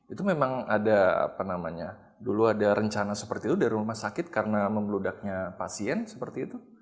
itu memang ada apa namanya dulu ada rencana seperti itu dari rumah sakit karena membludaknya pasien seperti itu